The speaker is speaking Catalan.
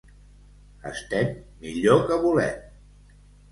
Estem millor que volem.